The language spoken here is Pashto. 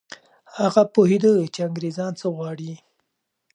هغه پوهېده چي انګریزان څه غواړي.